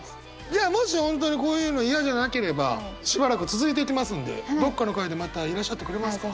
じゃあもし本当にこういうの嫌じゃなければしばらく続いていきますんでどっかの回でまたいらっしゃってくれますか？